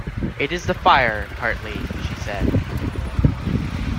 It is the fire, partly, she said.